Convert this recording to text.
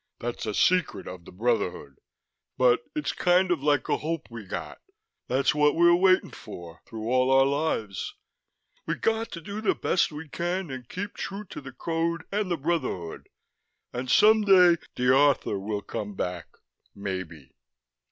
That's a secret of the Brotherhood. But it's kind of like a hope we got that's what we're waitin' for, through all our lives. We got to do the best we can, and keep true to the Code and the Brotherhood ... and someday the Rthr will come back ... maybe."